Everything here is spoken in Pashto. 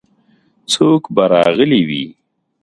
څوک به راغلي وي.